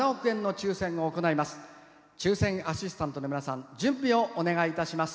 抽せんアシスタントの皆さん準備をお願いします。